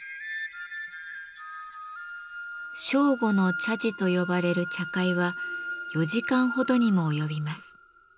「正午の茶事」と呼ばれる茶会は４時間ほどにも及びます。